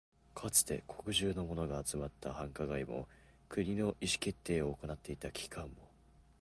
かつて国中のものが集まった繁華街も、国の意思決定を行っていた機関も、